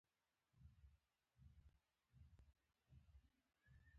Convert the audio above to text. پیاله د کور د ښکلا برخه ده.